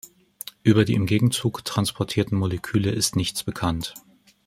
Über die im Gegenzug transportierten Moleküle ist nichts bekannt.